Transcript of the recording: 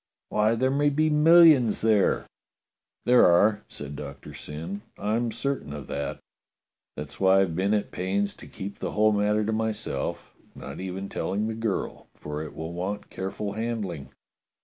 Why, there may be millions there !"" There are," said Doctor Syn. " I'm certain of that. That's why I've been at pains to keep the whole matter to myself, not even telling the girl, for it will want care ful handling.